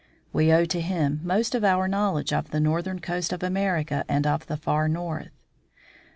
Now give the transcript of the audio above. We owe to him most of our knowledge of the northern coast of America and of the far North.